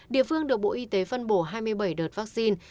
địa phương được bộ y tế phân bổ hai mươi bảy đợt vaccine